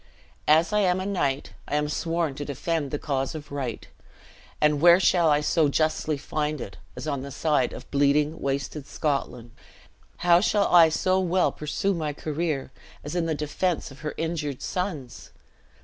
As I am a knight, I am sworn to defend the cause of right; and where shall I so justly find it, as on the side of bleeding, wasted Scotland? How shall I so well pursue my career as in the defense of her injured sons?